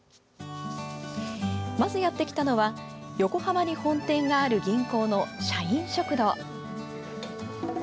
まずやって来たのは横浜に本店がある銀行の社員食堂。